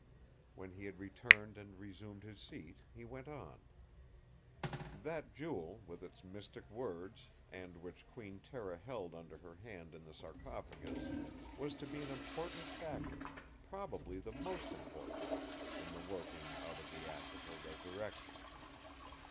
When he had returned and resumed his seat, he went on: "That Jewel, with its mystic words, and which Queen Tera held under her hand in the sarcophagus, was to be an important factor—probably the most important—in the working out of the act of her resurrection.